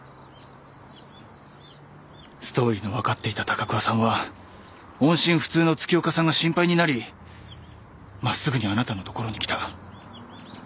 ストーリーの分かっていた高桑さんは音信不通の月岡さんが心配になり真っすぐにあなたの所に来た。